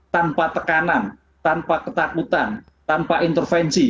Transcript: tanpa tekanan tanpa ketakutan tanpa intervensi